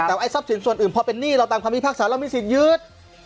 แต่ว่าทรัพย์สินส่วนอื่นพอเป็นหนี้เราตามคำพิพากษาเรามีสิทธิ์ยึด